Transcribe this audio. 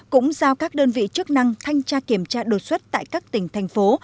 cũng giao các đơn vị chức năng thanh tra kiểm tra đột xuất tại các tỉnh thành phố